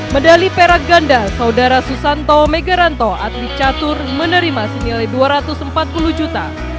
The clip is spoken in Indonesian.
medali perak ganda saudara susanto megaranto atlet catur menerima senilai dua ratus empat puluh juta